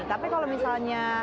tapi kalau misalnya